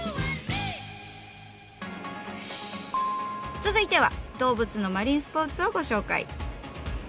続いては動物のマリンスポーツをご紹介。